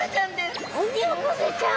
オニオコゼちゃん。